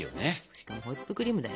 しかもホイップクリームだよ。